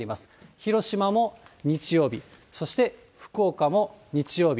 広島も日曜日、そして福岡も日曜日。